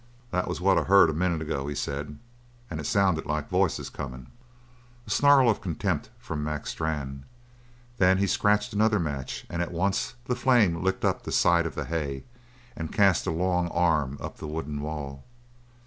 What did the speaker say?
"That was what I heard a minute ago!" he said. "And it sounded like voices comin'." A snarl of contempt from Mac Strann; then he scratched another match and at once the flame licked up the side of the hay and cast a long arm up the wooden wall.